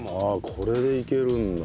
これでいけるんだ。